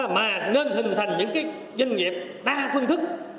mà nên hình thành những doanh nghiệp đa phương thức